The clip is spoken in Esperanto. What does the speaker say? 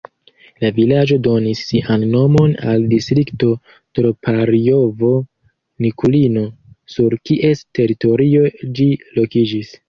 La vilaĝo donis sian nomon al distrikto Troparjovo-Nikulino, sur kies teritorio ĝi lokiĝis.